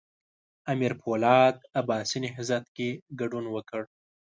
امیر پولاد عباسي نهضت کې ګډون وکړ.